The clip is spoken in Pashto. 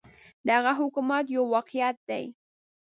د هغه حکومت یو واقعیت دی.